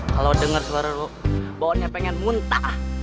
kalo denger suara lo bauannya pengen muntah